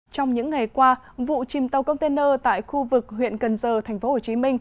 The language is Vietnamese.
trong những ngày qua vụ chìm tàu container tại khu vực huyện cần giờ tp hcm